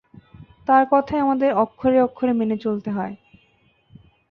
তার কথাই আমাদের অক্ষরে অক্ষরে মেনে চলতে হয়।